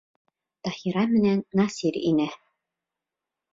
Таһира менән Насир инә.